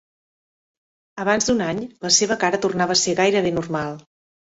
Abans d'un any, la seva cara tornava a ser gairebé normal.